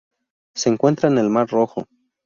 Se encuentra en el mar Rojo.